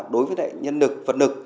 đối với nhân lực vật lực